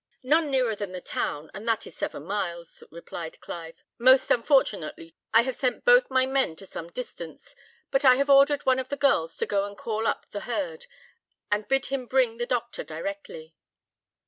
"None nearer than the town, and that is seven miles," replied Clive; "most unfortunately, too, I have sent both my men to some distance, but I have ordered one of the girls to go and call up the herd, and bid him bring the doctor directly."